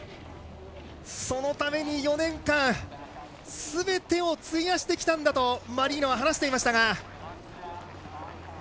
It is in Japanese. そのために４年間すべてを費やしてきたんだとマリーノは話していましたが。